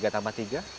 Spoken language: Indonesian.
tiga tambah tiga